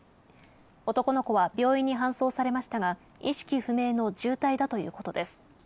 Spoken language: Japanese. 男の子は病院に搬送されましたが、意識不明の重体だということです。